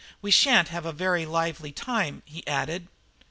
We shan't have a very lively time," he added.